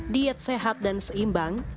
diet sehat dan seimbang